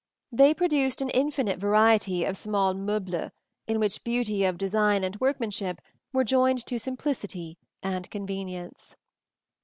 They produced an infinite variety of small meubles, in which beauty of design and workmanship were joined to simplicity and convenience.